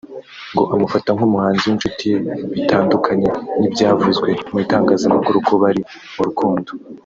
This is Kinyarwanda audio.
ngo amufata nk’umuhanzi w’inshuti ye bitandukanye n’ibyavuzwe mu itangazamakuru ko bari mu rukundo